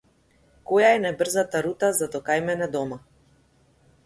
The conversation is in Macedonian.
Која е најбрзата рута за до кај мене дома?